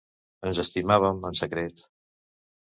Ens estimàvem, en secret.